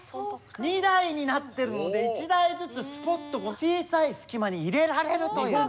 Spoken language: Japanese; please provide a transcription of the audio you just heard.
２台になってるので１台ずつスポッと小さい隙間に入れられるという。